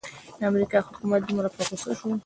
د امریکا حکومت دومره په غوسه شو.